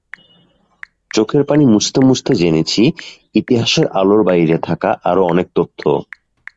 চোখের পানি মুছতে মুছতে জেনেছি ইতিহাসের আলোর বাইরে থাকা আরও অনেক তথ্য।